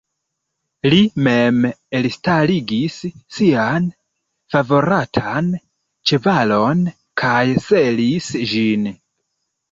Li mem elstaligis sian favoratan ĉevalon kaj selis ĝin.